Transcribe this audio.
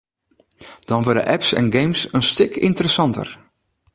Dan wurde apps en games in stik ynteressanter.